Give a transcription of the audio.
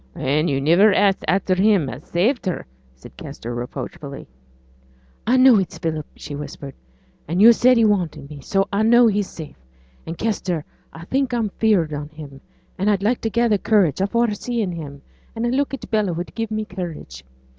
'An' yo' niver ax at after him as saved her,' said Kester, reproachfully. 'I know it's Philip,' she whispered, 'and yo' said he wanted me; so I know he's safe; and, Kester, I think I'm 'feared on him, and I'd like to gather courage afore seeing him, and a look at Bella would give me courage.